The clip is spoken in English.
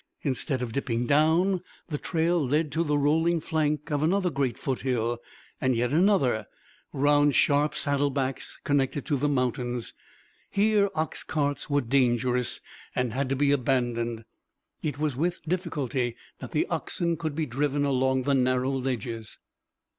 Instead of dipping down, the trail led to the rolling flank of another great foothill, and yet another, round sharp saddlebacks connecting the mountains. Here, ox carts were dangerous and had to be abandoned. It was with difficulty that the oxen could be driven along the narrow ledges.